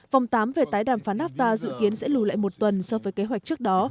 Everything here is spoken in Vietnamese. vòng tám về tái đàm phán nafta dự kiến sẽ lùi lại một tuần so với kế hoạch trước đó